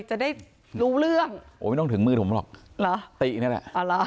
จะได้รู้เรื่องโอ้ยไม่ต้องถึงมืดผมหรอกหรอตินั่นแหละอ่า